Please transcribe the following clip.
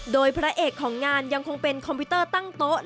โดยพระเอกของงานยังคงเป็นคอมพิวเตอร์ตั้งโต๊ะ